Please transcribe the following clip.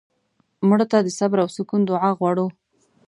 مړه ته د صبر او سکون دعا غواړو